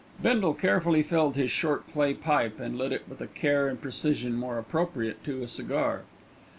Bindle carefully filled his short clay pipe and lit it with a care and precision more appropriate to a cigar.